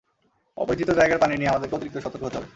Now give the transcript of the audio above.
অপরিচিত জায়গার পানি নিয়ে আমাদেরকে অতিরিক্ত সতর্ক হতে হবে।